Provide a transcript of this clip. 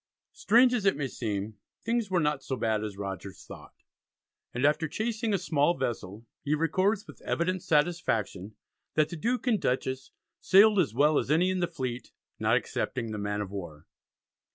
Strange as it may seem things were not so bad as Rogers thought, and after chasing a small vessel he records with evident satisfaction, that the Duke and Dutchess "sailed as well as any in the fleet, not excepting the man of war."